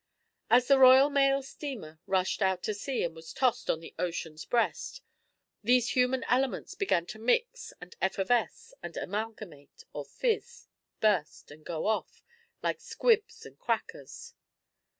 As the Royal Mail steamer rushed out to sea and was tossed on the ocean's breast, these human elements began to mix and effervesce and amalgamate, or fizz, burst, and go off, like squibs and crackers.